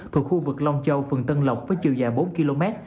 thuộc khu vực long châu phường tân lộc với chiều dài bốn km